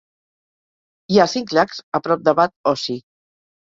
Hi ha cinc llacs a prop de Bad Aussee.